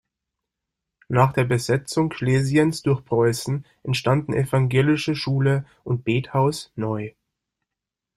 Nach der Besetzung Schlesiens durch Preußen entstanden Evangelische Schule und Bethaus neu.